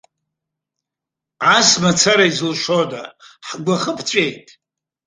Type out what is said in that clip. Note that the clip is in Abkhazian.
Ас мацара изылшода, ҳгәахы ԥҵәеит?